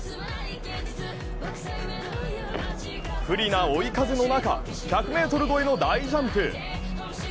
不利な追い風の中、１００ｍ超えの大ジャンプ。